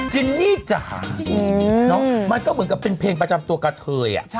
จินนี่จ๋ามันก็เหมือนกับเป็นเพลงประจำตัวกะเทย